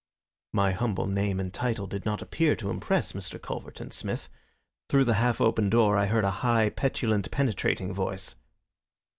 My humble name and title did not appear to impress Mr. Culverton Smith. Through the half open door I heard a high, petulant, penetrating voice.